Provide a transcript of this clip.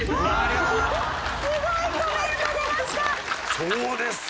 そうですか。